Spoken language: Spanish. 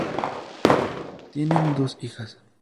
Tienen dos hijas:.